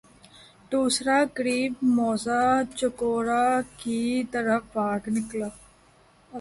دوسرا قریب موضع چکوڑہ کی طرف بھاگ نکلا۔